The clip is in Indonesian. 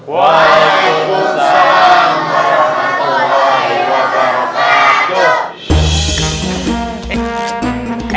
waalaikumsalam warahmatullahi wabarakatuh